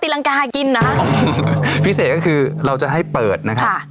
ตีรังกาหากินนะพิเศษก็คือเราจะให้เปิดนะคะค่ะอ่า